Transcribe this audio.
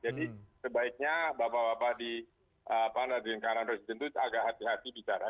jadi sebaiknya bapak bapak di apaan di lingkaran presiden itu agak hati hati bicara